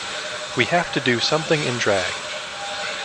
We have to do something in drag.